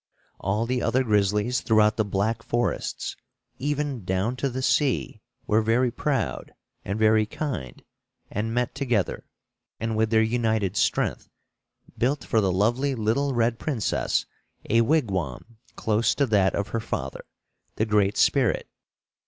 All the other grizzlies throughout the black forests, even down to the sea, were very proud and very kind, and met together, and, with their united strength, built for the lovely little red princess a wigwam close to that of her father, the Great Spirit.